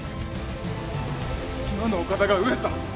今のお方が上様とは！